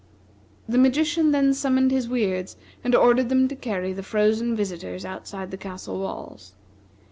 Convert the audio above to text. The magician then summoned his Weirds and ordered them to carry the frozen visitors outside the castle walls.